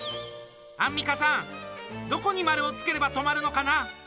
アンミカさんどこに丸をつければ止まるのかな？